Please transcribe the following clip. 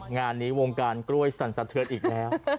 งานนี้วงการกล้วยสั่นสะเทือนอีกแล้ว